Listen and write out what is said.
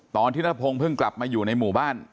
ตอนที่นพงศ์เพิ่งกลับมาอยู่ในหมู่บ้าน